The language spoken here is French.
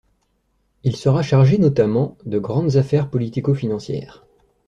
Il sera chargé notamment de grandes affaires politico-financières.